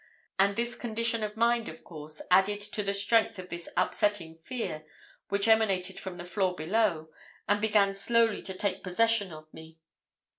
And this condition of mind, of course, added to the strength of this upsetting fear which emanated from the floor below and began slowly to take possession of me.